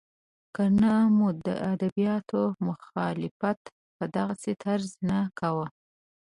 که نه مو د ادبیاتو مخالفت په دغسې طرز نه کاوه.